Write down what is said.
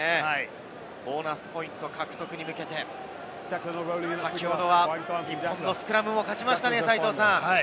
ボーナスポイント獲得に向けて、先ほどは日本のスクラムも勝ちましたね。